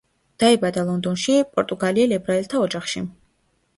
დაიბადა ლონდონში, პორტუგალიელ ებრაელთა ოჯახში.